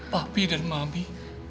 papi dan mami